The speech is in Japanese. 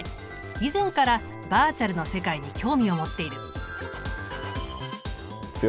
以前からバーチャルの世界に興味を持っている。